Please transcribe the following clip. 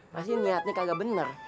pasti niatnya kagak bener